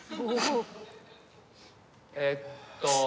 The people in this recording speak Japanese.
えっと。